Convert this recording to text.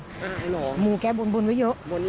อ้าวหรอบนยังไงมูแก้บนบนไว้เยอะ